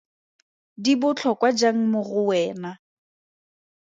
Di botlhokwa jang mo go wena?